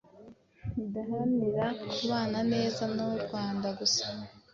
adaharanira kubana neza n’u Rwanda gusa